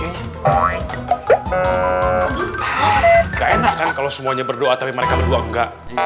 tidak enak kan kalau semuanya berdoa tapi mereka berdua enggak